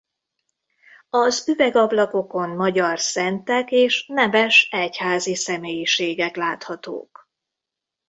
Az üvegablakokon magyar szentek és neves egyházi személyiségek láthatók.